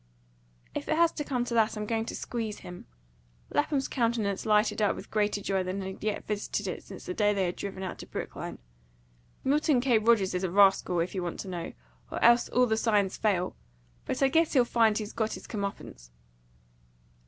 "If it has to come to that, I'm going to squeeze him." Lapham's countenance lighted up with greater joy than had yet visited it since the day they had driven out to Brookline. "Milton K. Rogers is a rascal, if you want to know; or else all the signs fail. But I guess he'll find he's got his come uppance."